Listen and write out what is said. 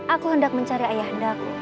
aku hendak mencari ayahnya